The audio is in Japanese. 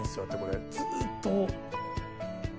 ずっと。